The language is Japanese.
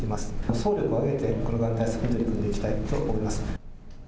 総力を挙げて、このがん対策に取り組んでいきたいと思います。